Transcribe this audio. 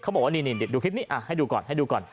เขาบอกว่านี่ดิดดูคลิปนี้ให้ดูก่อน